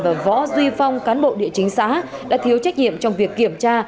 và võ duy phong cán bộ địa chính xã đã thiếu trách nhiệm trong việc kiểm tra